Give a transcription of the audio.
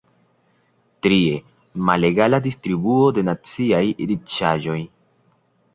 Trie: malegala distribuo de naciaj riĉaĵoj.